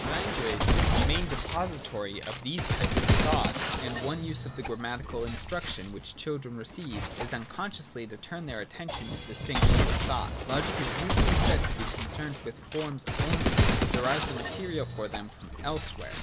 Language is the 24 ] THE LOGICAL CATEGORIES. 51 main depository of these types of thought ; and one use of the grammatical instruction which children receive is un consciously to turn their attention to distinctions of thought. Logic is usually said to be concerned with forms only and to derive the material for them from elsewhere.